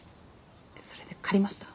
それで借りました？